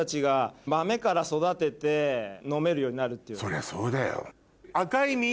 そりゃそうだよ。